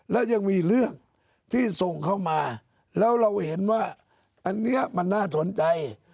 แล้วยังมีเรื่องที่ส่งเข้ามาแล้วเราเห็นว่าอันนี้มันน่าสนใจ